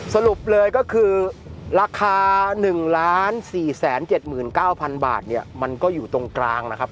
สรุปเลยก็คือราคาหนึ่งล้านสี่แสนเจ็ดหมื่นเก้าพันบาทเนี้ยมันก็อยู่ตรงกลางนะครับ